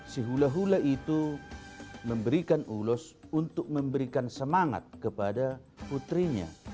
si hula hula itu memberikan ulos untuk memberikan semangat kepada putrinya